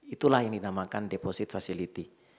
itulah yang dinamakan deposit facility